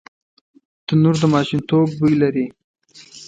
تنور د ماشومتوب بوی لري